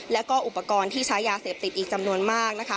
แล้วก็อุปกรณ์ที่ใช้ยาเสพติดอีกจำนวนมากนะคะ